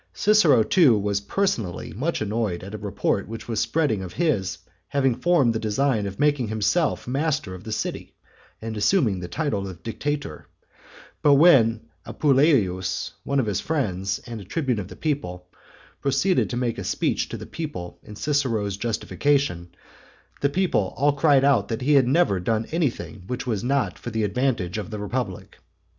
Cicero too was personally much annoyed at a report which they spread of his having formed the design of making himself master of the city and assuming the title of Dictator; but when Apuleius, one of his friends, and a tribune of the people, proceeded to make a speech to the people in Cicero's justification, the people all cried out that he had never done anything which was not for the advantage of the republic.